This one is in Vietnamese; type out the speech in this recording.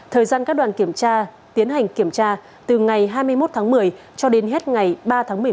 thời gian các đoàn kiểm tra tiến hành kiểm tra từ ngày hai mươi một tháng một mươi cho đến hết ngày ba tháng một mươi một